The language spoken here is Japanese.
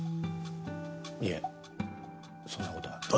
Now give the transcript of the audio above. いえそんな事は。